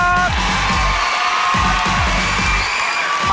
ขอบคุณครับ